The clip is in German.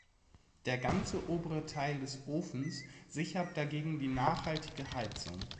Der ganze obere Teil des Ofens sichert dagegen die nachhaltige Heizung.